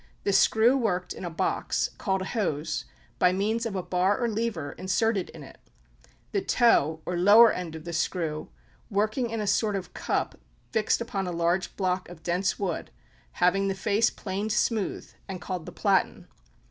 The screw worked in a box, called a hose, by means of a bar or lever inserted in it; the toe, or lower end of the screw, working in a sort of cup fixed upon a large block of dense wood, having the face planed smooth, and called the platen.